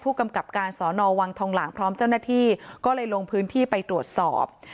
กำกับการสอนอวังทองหลางพร้อมเจ้าหน้าที่ก็เลยลงพื้นที่ไปตรวจสอบ